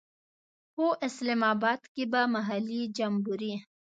په اسلام آباد کې به محلي جمبوري.